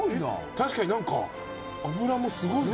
確かになんか脂もすごいぞ。